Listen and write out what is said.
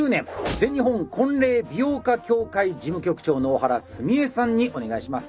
全日本婚礼美容家協会事務局長の小原澄江さんにお願いします。